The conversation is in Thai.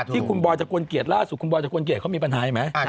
ที่คุณบ๊อยส์จะกวนเกียจล่าสุดคุณบ๊อยส์จะกวนเกียจเขามีปัญหาไอไหม